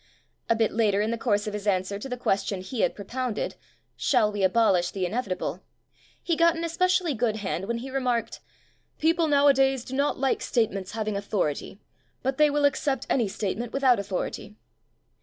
A bit later in the course of his answer to the question he had pro pounded, "Shall We Abolish the In evitable?", he got an especially good hand when he remarked: "People nowadays do not like statements hav ing authority — ^but they will accept any statement without authority."